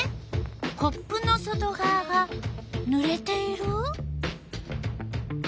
コップの外がわがぬれている？